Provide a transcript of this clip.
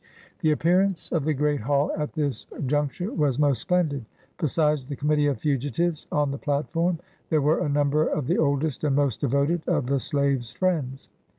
The appearance of the great hall at this juncture was most splendid. Besides the committee of fugitives, on the platform there were a number of the oldest and most devoted of the slave's friends.